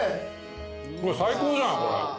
最高じゃんこれ。